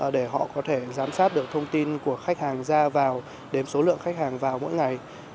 để họ có thể giám sát được thông tin của khách hàng ra vào đến số lượng khách hàng vào mỗi ngày